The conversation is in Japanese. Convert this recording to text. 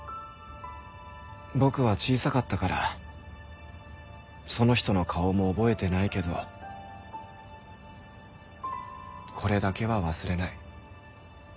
僕は小さかったからその人の顔も覚えてないけどこれだけは忘れない。